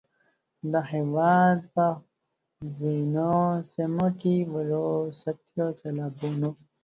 د هیواد په ځینو سیمو کې وروستیو سیلابونو